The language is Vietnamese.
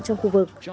trong khu vực